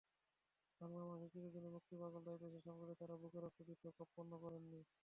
বাংলার মানুষ চিরদিনই মুক্তিপাগল তাই দেশের সংকটে তারা বুকের রক্ত দিতেও কার্পণ্য করেনি।